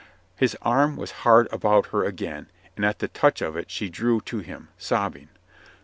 His arm was hard about her again, and at the touch of it she drew to him, sob bing.